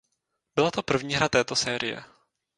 Byla to první hra této série.